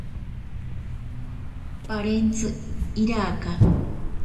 Parentsi iraka.